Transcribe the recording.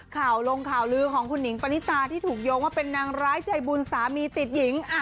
ข่าวลงข่าวลือของคุณหนิงปณิตาที่ถูกโยงว่าเป็นนางร้ายใจบุญสามีติดหญิง